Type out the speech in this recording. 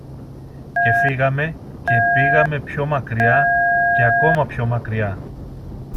και φύγαμε και πήγαμε πιο μακριά, και ακόμα πιο μακριά